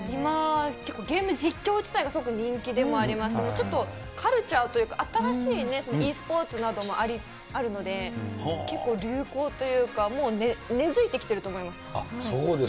結構、ゲーム実況自体がすごく人気でもありまして、ちょっとカルチャーというか、新しいｅスポーツなどもあるので、結構流行というか、もう根付いてきてるとそうですか。